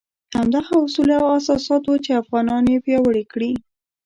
همدغه اصول او اساسات وو چې افغانان یې پیاوړي کړي.